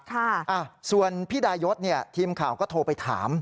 ค่ะส่วนพี่ดายศเนี่ยทีมข่าวก็โทรไปถาม